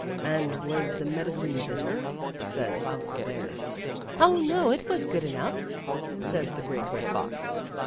"And was the medicine bitter?" says Uncle Bear. " Oh, no, it was good enough," says the Great Red Fox.